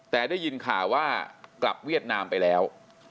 แต่ได้ยินข่าวว่ากลับเวียดนามไปแล้ว